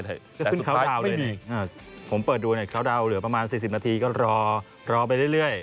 ก็ขึ้นเขาดาวน์เลยผมเปิดดูเนี่ยเขาดาวนเหลือประมาณ๔๐นาทีก็รอไปเรื่อย